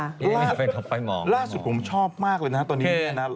รู้ว่าล่าสุดผมชอบมากเลยนะครับตอนนี้นะ